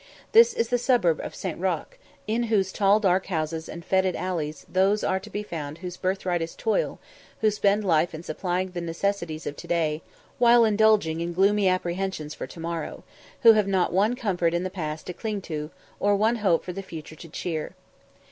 This is the suburb of St. Roch, in whose tall dark houses and fetid alleys those are to be found whose birthright is toil, who spend life in supplying the necessities of to day, while indulging in gloomy apprehensions for to morrow who have not one comfort in the past to cling to, or one hope for the future to cheer.